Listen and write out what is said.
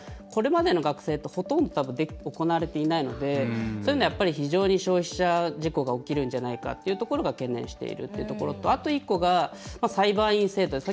これまでの学生って、ほとんどたぶん行われていないのでそういうのは、やっぱり非常に消費者事故が起きるんじゃないかというところが懸念しているっていうところとあと１個が、裁判員制度。